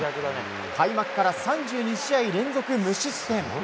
開幕から３２試合連続無失点。